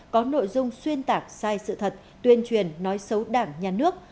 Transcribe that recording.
có nội dung xuyên tạc sai sự thật tuyên truyền nói xấu đảng nhà nước